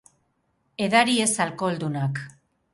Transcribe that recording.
Edari ez alkoholdunak.